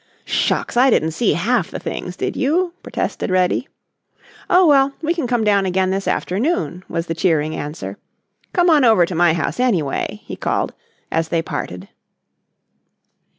"Shucks, I didn't see half the things, did you?" protested Reddy. "Oh, well, we can come down again this afternoon," was the cheering answer. "Come on over to my house, anyway," he called as they parted.